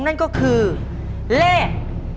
นั่นก็คือเลข